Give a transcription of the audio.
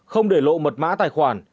không để lộ mật mã tài khoản